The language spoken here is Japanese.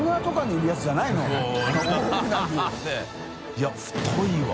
い笋太いわ。